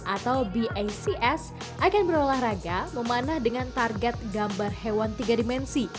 atau bacs akan berolahraga memanah dengan target gambar hewan tiga dimensi